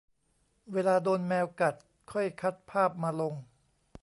เวลาโดนแมวกัดค่อยคัดภาพมาลง ?